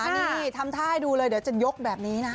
นี่ทำท่าให้ดูเลยเดี๋ยวจะยกแบบนี้นะ